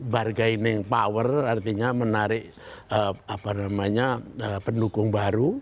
bargaining power artinya menarik pendukung baru